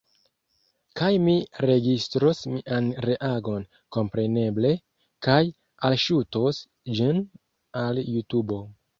Kaj mi registros mian reagon, kompreneble, kaj alŝutos ĝin al Jutubo.